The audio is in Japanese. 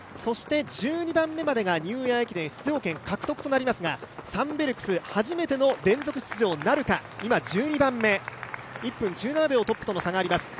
１２番目まではニューイヤー駅伝出場権獲得となりますがサンベルクス初めての連続出場なるか、今、１２番目、トップとは１分１７秒差があります。